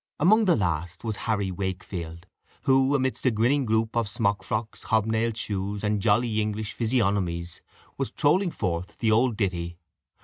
Among the last was Harry Wakefield, who, amidst a grinning group of smock frocks, hobnailed shoes, and jolly English physiognomies, was trolling forth the old ditty.